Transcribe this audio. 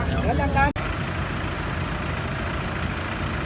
พร้อมต่ำยาว